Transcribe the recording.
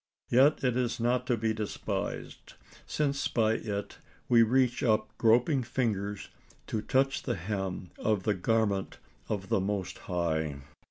Yet it is not to be despised, since by it we reach up groping fingers to touch the hem of the garment of the Most High.